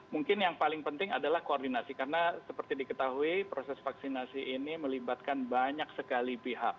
mungkin yang paling penting adalah koordinasi karena seperti diketahui proses vaksinasi ini melibatkan banyak sekali pihak